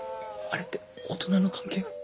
あれって大人の関係？